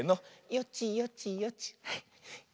よちよちよち。